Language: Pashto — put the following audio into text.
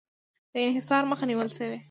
د انحصار مخه نیول شوې؟